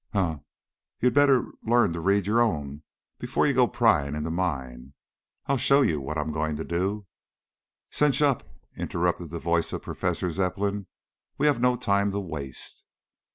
"Humph! You better learn to read your own before you go prying into mine. I'll show you what I'm going to do." "Cinch up," interrupted the voice of Professor Zepplin. "We have no time to waste."